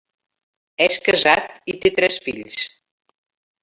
És casat i té tres fills.